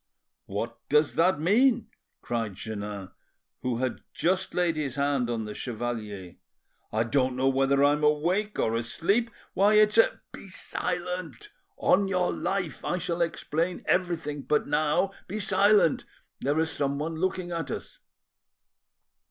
"What does that mean?" cried Jeannin, who had just laid his hand on the chevalier. "I don't know whether I'm awake or asleep! Why, it's a— " "Be silent, on your life! I shall explain everything—but now be silent; there is someone looking at us."